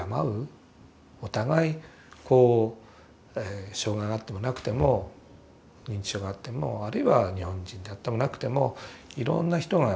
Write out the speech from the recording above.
お互いこう障害があってもなくても認知症があってもあるいは日本人であってもなくてもいろんな人が